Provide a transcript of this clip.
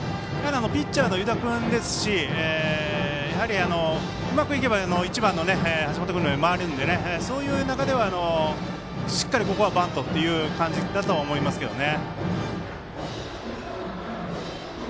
ピッチャーの湯田君ですしうまくいけば１番の橋本君に回るのでそういう中では、しっかりここはバントということだと思いますけどね。